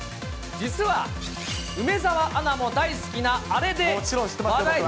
実は、梅澤アナも大好きなあれで話題。